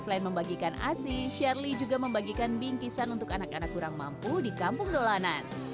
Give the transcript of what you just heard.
selain membagikan asi shirley juga membagikan bingkisan untuk anak anak kurang mampu di kampung dolanan